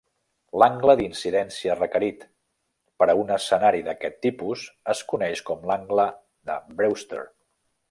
L'angle d'incidència requerit per a un escenari d'aquest tipus es coneix com l'angle de Brewster.